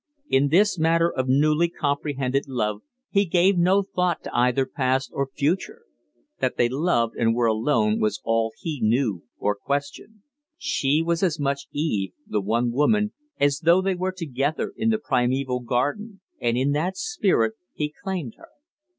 In this matter of newly comprehended love he gave no thought to either past or future. That they loved and were alone was all he knew or questioned. She was as much Eve the one woman as though they were together in the primeval garden; and in that spirit he claimed her.